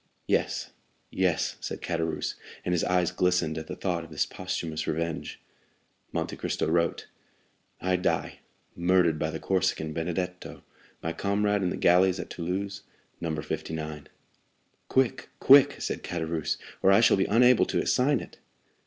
"Yes, yes," said Caderousse; and his eyes glistened at the thought of this posthumous revenge. Monte Cristo wrote: "I die, murdered by the Corsican Benedetto, my comrade in the galleys at Toulon, No. 59." "Quick, quick!" said Caderousse, "or I shall be unable to sign it."